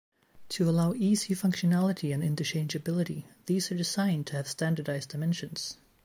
To allow easy functionality and inter-changeability, these are designed to have standardised dimensions.